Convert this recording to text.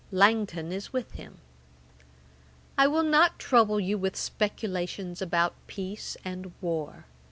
Langton is with him. 'I will not trouble you with speculations about peace and war.